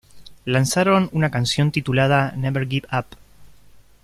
Lanzaron una canción, titulada "Never Give Up".